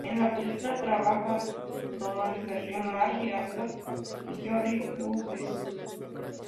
En la película trabajaba Dolores del Río, Mary Astor, y Lloyd Hughes.